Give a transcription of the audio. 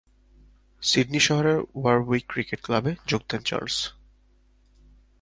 Sydney শহরের Warwick cricket ক্লাবে যোগ দেন চার্লস।